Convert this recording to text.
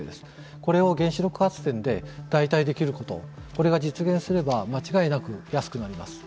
これを原子力発電で代替できることこれが実現すれば間違いなく安くなります。